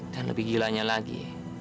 dan lebih gilanya lagi